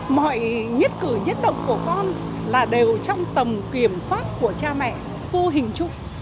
mọi nhiết cử nhiết động của con là đều trong tầm kiểm soát của cha mẹ vô hình trục